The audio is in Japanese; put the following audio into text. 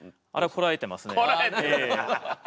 こらえてる！